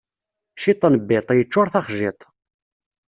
Ciṭ n biṭ yeččuṛ taxjiṭ.